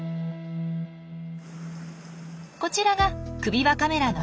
こちらが首輪カメラの映像。